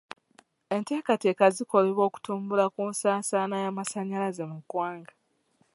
Enteekateeka zikolebwa okutumbula ku nsaasaanya y'amasanyalaze mu ggwanga.